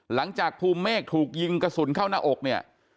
หลังจากภูมิเมฆถูกยิงกระสุนเข้าหน้าอกเนี่ย